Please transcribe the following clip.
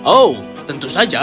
oh tentu saja